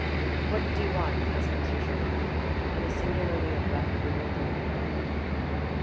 "What do you want?" asked Monsieur Chaubard, in a singularly abrupt, bewildered manner.